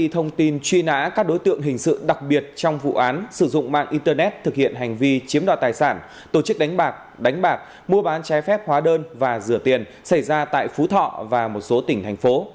thông tin truy nã các đối tượng hình sự đặc biệt trong vụ án sử dụng mạng internet thực hiện hành vi chiếm đoạt tài sản tổ chức đánh bạc đánh bạc mua bán trái phép hóa đơn và rửa tiền xảy ra tại phú thọ và một số tỉnh thành phố